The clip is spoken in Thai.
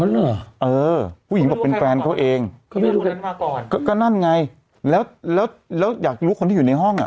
คือผู้หญิงเป็นแฟนเขาเองก็นั่นไงแล้วอยากรู้ว่าคนที่อยู่ในห้อง